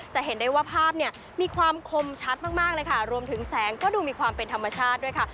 จะเห็นได้ว่าภาพเนี่ยมีความคมชัดมากเลยค่ะรวมถึงแสงก็ดูมีความเป็นธรรมชาติด้วยค่ะ